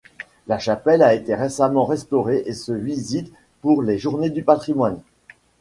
La chapelle a été récemment restaurée et se visite pour les Journées du patrimoine.